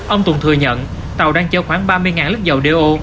ông tùng thừa nhận tàu đang chở khoảng ba mươi lít dầu do